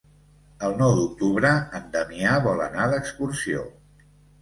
El nou d'octubre en Damià vol anar d'excursió.